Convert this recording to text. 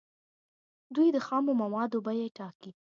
دوی د خامو موادو بیې ټاکي.